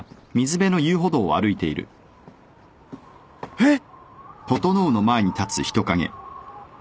えっ！？